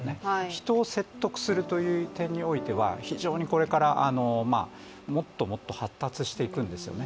人を説得するという点においては非常にこれからもっともっと発達していくんですよね。